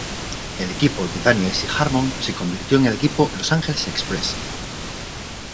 El equipo de Daniels y Harmon se convirtió en el equipo Los Angeles Express.